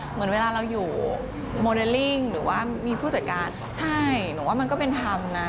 เหมือนเวลาเราอยู่โมเดลลิ่งหรือว่ามีผู้จัดการใช่หนูว่ามันก็เป็นธรรมไง